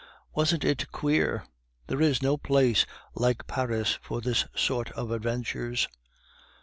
Wasn't it queer? There is no place like Paris for this sort of adventures."